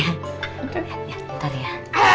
ya bentar ya